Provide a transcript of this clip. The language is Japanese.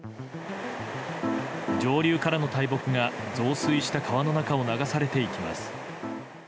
上流からの大木が増水した川の中を流されていきます。